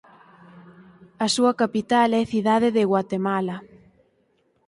A súa capital é Cidade de Guatemala.